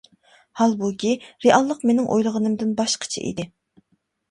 ھالبۇكى، رېئاللىق مېنىڭ ئويلىغىنىمدىن باشقىچە ئىدى.